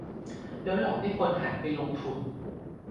แล้วหลอกให้คนหันไปลงทุน